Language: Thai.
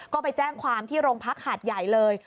ก็ไปแจ้งความที่โรงพักหาดใหญ่เลย